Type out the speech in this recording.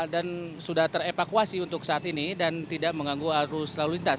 dan sudah terevakuasi untuk saat ini dan tidak menganggu arus lalu lintas